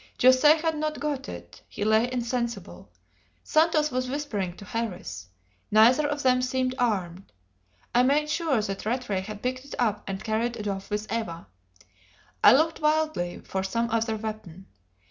José had not got it he lay insensible. Santos was whispering to Harris. Neither of them seemed armed. I made sure that Rattray had picked it up and carried it off with Eva. I looked wildly for some other weapon.